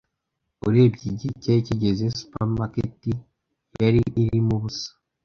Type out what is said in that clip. Urebye igihe cyari kigeze, supermarket yari irimo ubusa.